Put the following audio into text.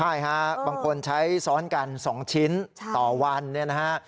ใช่ฮะบางคนใช้ซ้อนกัน๒ชิ้นต่อวันเนี่ยนะฮะ